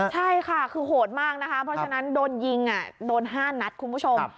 ใช่ค่ะคือโหดมากนะคะเพราะฉะนั้นโดนยิงโดน๕นัดคุณผู้ชม